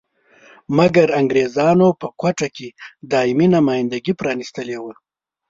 مګر انګریزانو په کوټه کې دایمي نمایندګي پرانیستلې وه.